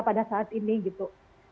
pada saat ini gitu